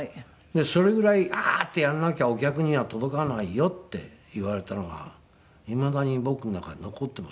それぐらい「ああー！」ってやらなきゃお客には届かないよって言われたのがいまだに僕の中に残っています。